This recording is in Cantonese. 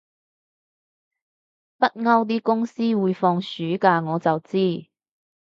北歐啲公司會放暑假我就知